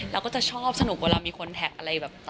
เราก็จะชอบสนุกเวลามีคนแท็กอะไรแบบ